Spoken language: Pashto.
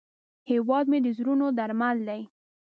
هیواد مې د زړونو درمل دی